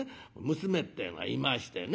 娘ってえのがいましてね